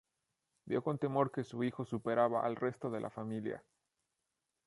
Vio con temor que su hijo superaba al resto de la familia.